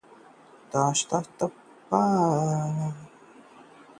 पत्रकार से क्यों राजनेता बने अटल, एक मौत से बदल गई थी जिंदगी